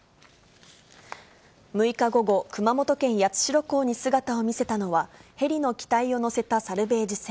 ６日午後、熊本県八代港に姿を見せたのは、ヘリの機体を載せたサルベージ船、